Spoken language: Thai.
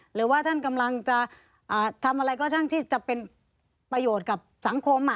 หรือว่าท่านกำลังจะทำอะไรก็ช่างที่จะเป็นประโยชน์กับสังคม